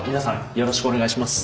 よろしくお願いします。